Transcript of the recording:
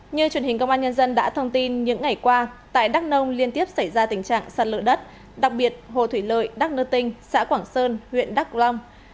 như truyền hình công an nhân dân đã thông tin những ngày qua tại đắk nông liên tiếp xảy ra tình trạng sạt lở đất đặc biệt hồ thủy lợi đắc nơ tinh xã quảng sơn huyện đắk long